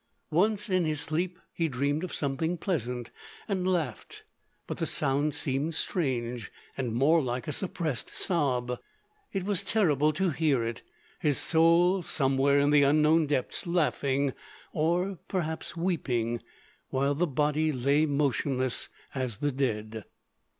Once in his sleep he dreamed of something pleasant, and laughed, but the sound seemed strange, and more like a suppressed sob—it was terrible to hear it—his soul somewhere in the unknown depths laughing, or perhaps weeping, while the body lay motionless as the dead.